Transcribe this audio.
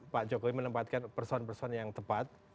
pak jokowi menempatkan person person yang tepat